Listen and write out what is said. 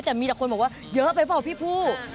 แต่มีแต่คนบอกว่าเยอะไปเปล่าพี่ผู้